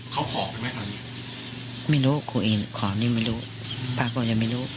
เขาขอไปไหมตอนนี้ไม่รู้กูอีกของนี่ไม่รู้ปากก็ยังไม่รู้